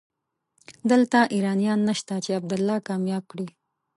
دلته ايرانيان نشته چې عبدالله کامياب کړي.